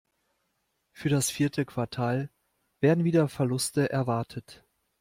Für das vierte Quartal werden wieder Verluste erwartet.